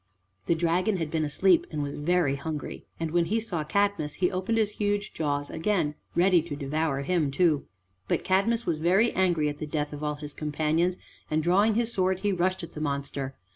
The dragon had been asleep and was very hungry, and when he saw Cadmus he opened his huge jaws again, ready to devour him too. But Cadmus was very angry at the death of all his companions, and drawing his sword he rushed at the monster.